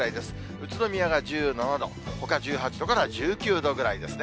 宇都宮が１７度、ほか１８度から１９度ぐらいですね。